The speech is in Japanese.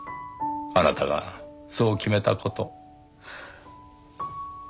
あなたがそう決めた事。